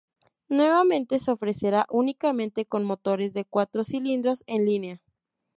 Nuevamente se ofrecerá únicamente con motores de cuatro cilindros en línea.